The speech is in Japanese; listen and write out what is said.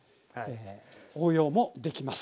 応用もできます。